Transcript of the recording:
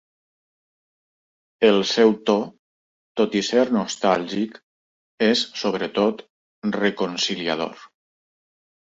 El seu to, tot i ser nostàlgic, és sobretot reconciliador.